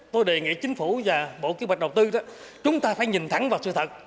tôi đề nghị chính phủ và bộ kế hoạch đầu tư đó chúng ta phải nhìn thẳng vào sự thật